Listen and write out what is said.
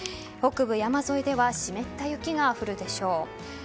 北部山沿いでは湿った雪が降るでしょう。